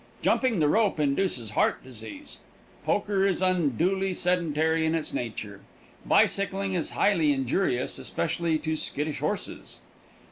Jumping the rope induces heart disease. Poker is unduly sedentary in its nature. Bicycling is highly injurious, especially to skittish horses.